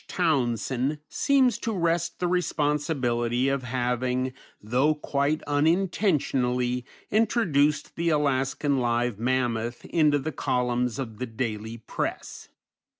Townsend seems to rest the responsibility of having, though quite unintentionally, introduced the Alaskan Live Mammoth into the columns of the daily press.